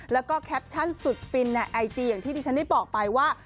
แล้วก็แคปชั่นสุดฟินในไอจีอย่างที่ที่ฉันได้บอกไปว่า